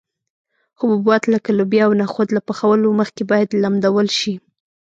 حبوبات لکه لوبیا او نخود له پخولو مخکې باید لمدول شي.